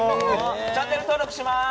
チャンネル登録します！